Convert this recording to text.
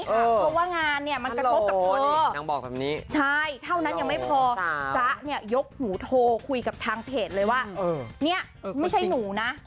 เพราะว่างานมันกระทำกับเธอเท่านั้นยังไม่พอด้วยจ้ะยกหูโทรคุยกับทางเพจเลยว่านี่คนจริงไม่ใช่หนูเลย